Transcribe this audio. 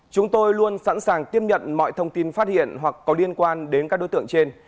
chúng tôi luôn sẵn sàng tiếp nhận mọi thông tin phát hiện hoặc có liên quan đến các đối tượng trên